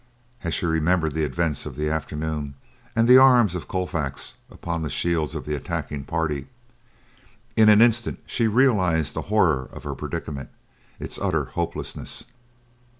as she remembered the events of the afternoon; and the arms of Colfax upon the shields of the attacking party. In an instant she realized the horror of her predicament; its utter hopelessness.